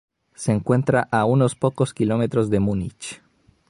Se encuentra a unos pocos kilómetros de Múnich.